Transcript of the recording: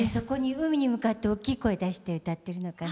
海に向かって大きい声出して歌ってるのかな？